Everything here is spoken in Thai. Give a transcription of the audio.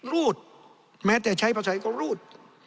รูดแม้แต่ใช้ภาษาไทยก็รูด